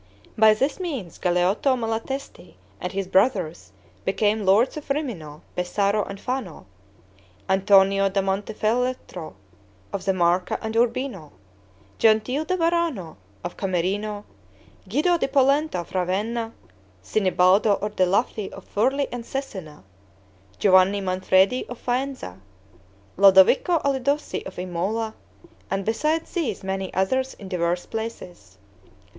By this means Galeotto Malatesti and his brothers became lords of Rimino, Pesaro, and Fano; Antonio da Montefeltro, of the Marca and Urbino; Gentile da Varano, of Camerino; Guido di Polenta, of Ravenna; Sinibaldo Ordelaffi, of Furli and Cesena; Giovanni Manfredi, of Faenza; Lodovico Alidossi, of Imola; and besides these, many others in divers places.